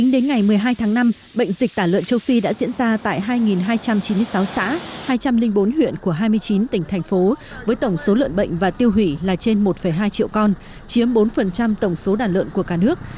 đến ngày một mươi hai tháng năm bệnh dịch tả lợn châu phi đã diễn ra tại hai hai trăm chín mươi sáu xã hai trăm linh bốn huyện của hai mươi chín tỉnh thành phố với tổng số lợn bệnh và tiêu hủy là trên một hai triệu con chiếm bốn tổng số đàn lợn của cả nước